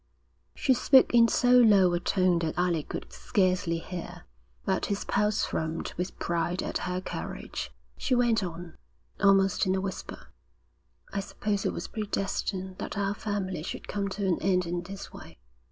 She spoke in so low a tone that Alec could scarcely hear, but his pulse throbbed with pride at her courage. She went on, almost in a whisper. 'I suppose it was predestined that our family should come to an end in this way.